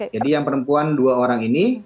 jadi yang perempuan dua orang ini